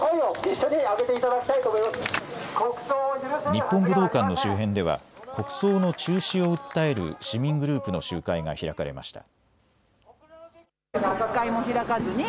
日本武道館の周辺では国葬の中止を訴える市民グループの集会が開かれました。